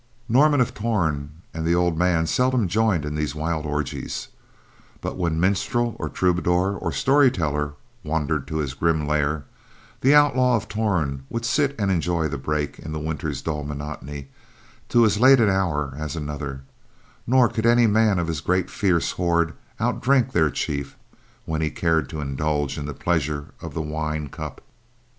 Norman of Torn and the old man seldom joined in these wild orgies, but when minstrel, or troubadour, or storyteller wandered to his grim lair, the Outlaw of Torn would sit enjoying the break in the winter's dull monotony to as late an hour as another; nor could any man of his great fierce horde outdrink their chief when he cared to indulge in the pleasures of the wine cup.